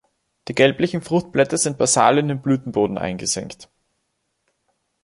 Die gelblichen Fruchtblätter sind basal in den Blütenboden eingesenkt.